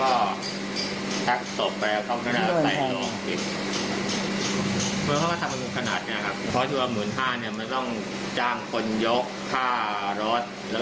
เอาแต่ตีตีมาสองพันเนี่ยเผื่อเอาไว้น้ำมันมันขึ้นขึ้นหลงอยู่